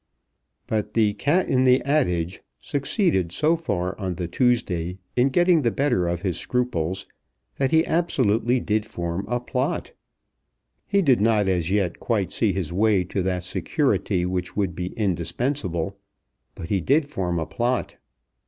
But "the cat i' the adage" succeeded so far on the Tuesday in getting the better of his scruples, that he absolutely did form a plot. He did not as yet quite see his way to that security which would be indispensable; but he did form a plot.